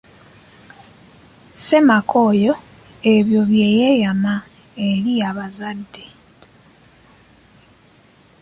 Ssemaka oyo ebyo bye yeeyema eri abazadde.